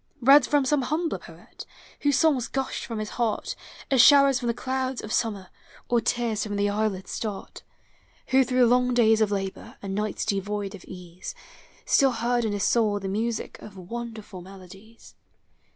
Read from some humbler poet, Whose songs gushed from his heart As showers from the clouds of summer Or tears from the eyelids start; Who through long days of labor And nights devoid of ease, Still heard in his soul the music Of wonderful melodies.